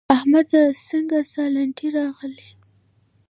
احمده څنګه سالنډی راغلې؟!